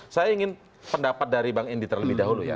saya ingin pendapat dari bang indi terlebih dahulu ya